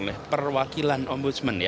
saya apresiasi perwakilan ombudsman